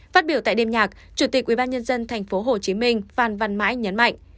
phát biểu tại đêm nhạc chủ tịch ubnd tp hcm phan văn mãi nhấn mạnh